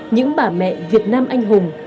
những bà mẹ việt nam anh hùng